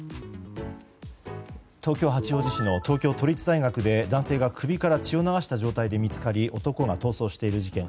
東京・八王子市の東京都立大学で男性が首から血を流した状態で見つかり男が逃走している事件。